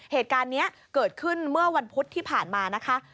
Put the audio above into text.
เหตุการณ์นี้เกิดขึ้นเมื่อวันพุธที่ผ่านมานะคะ